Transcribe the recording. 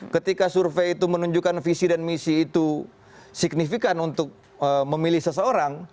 ketika survei itu menunjukkan visi dan misi itu signifikan untuk memilih seseorang